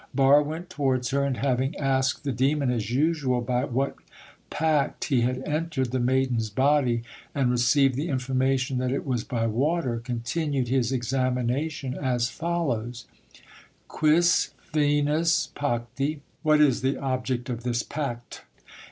Barre went towards her, and having asked the demon as usual by what pact he had entered the maiden's body, and received the information that it was by water, continued his examination as follows: "Quis finis pacti" (What is the object of this pact?)